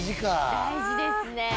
大事ですね。